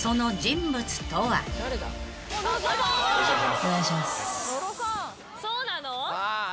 お願いします。